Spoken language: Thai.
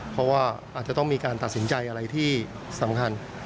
เพราะว่าอาจจะต้องมีการตัดสินใจอะไรที่สำคัญ